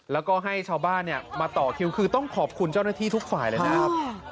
แล้วก็ให้ชาวบ้านมาต่อคิวคือต้องขอบคุณเจ้าหน้าที่ทุกฝ่ายเลยนะครับ